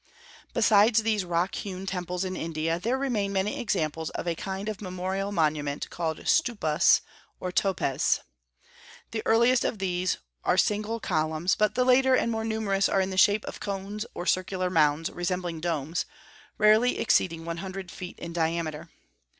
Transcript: Besides these rock hewn temples in India there remain many examples of a kind of memorial monument called stupas, or topes. The earliest of these are single columns; but the later and more numerous are in the shape of cones or circular mounds, resembling domes, rarely exceeding one hundred feet in diameter.